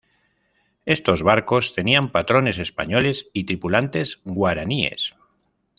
Estos barcos tenían patrones españoles y tripulantes guaraníes.